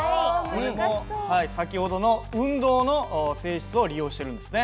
これも先ほどの運動の性質を利用してるんですね。